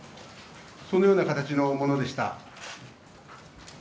そのような形のものでした。